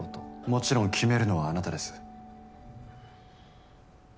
もちろん決めるのはあなたです。